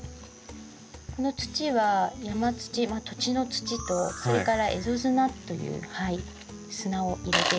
この土は山土土地の土とそれから蝦夷砂という砂を入れている。